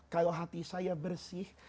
kalau hati saya bersih